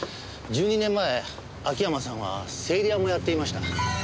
１２年前秋山さんは整理屋もやっていました。